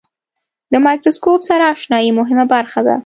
د مایکروسکوپ سره آشنایي مهمه برخه ده.